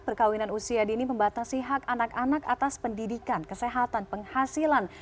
perkawinan usia dini membatasi hak anak anak atas pendidikan kesehatan penghasilan